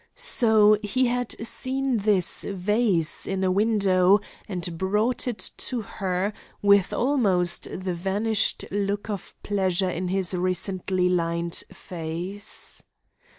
So he had seen this vase in a window and brought it to her, with almost the vanished look of pleasure in his recently lined face.